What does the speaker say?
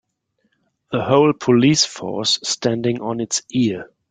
The whole police force standing on it's ear.